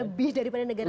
lebih daripada negara lain